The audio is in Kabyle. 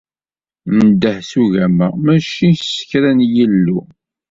Ndeh s ugama mačči s kra n yillu.